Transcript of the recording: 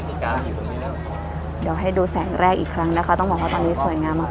เดี๋ยวให้ดูแสงแรกอีกครั้งนะคะต้องบอกว่าตอนนี้สวยงามมาก